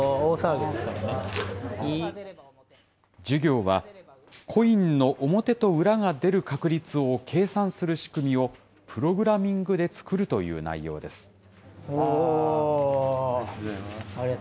授業は、コインの表と裏が出る確率を計算する仕組みを、プログラミングで作るという内容です。